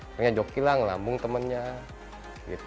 pernyanyi joki lah ngelambung temannya